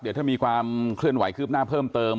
เดี๋ยวถ้ามีความเคลื่อนไหวคืบหน้าเพิ่มเติม